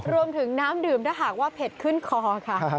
รวมถึงน้ำดื่มถ้าหากว่าเผ็ดขึ้นคอค่ะ